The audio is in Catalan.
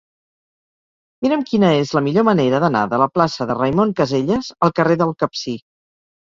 Mira'm quina és la millor manera d'anar de la plaça de Raimon Casellas al carrer del Capcir.